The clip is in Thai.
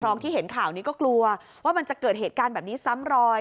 ที่เห็นข่าวนี้ก็กลัวว่ามันจะเกิดเหตุการณ์แบบนี้ซ้ำรอย